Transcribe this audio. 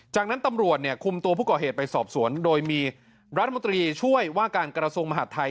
จากนั้นตำรวจเนี่ยคุมตัวผู้ก่อเหตุไปสอบสวนโดยมีรัฐมนตรีช่วยว่าการกระทรวงมหาดไทย